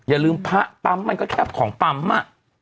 อย่าลืมพระปั๊มมันก็แคบของปั๊มอ่ะ